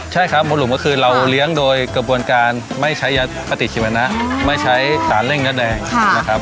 ใช่ครับบนหลุมก็คือเราเลี้ยงโดยกระบวนการไม่ใช้ปฏิชีวนะไม่ใช้สารเร่งเนื้อแดงนะครับ